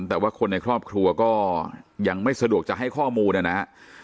แต่ว่าคนในครอบครัวก็ยังไม่สะดวกจะให้ข้อมูลนะครับ